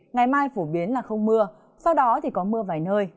ngày mai phổ biến là không mưa sau đó thì có mưa vài nơi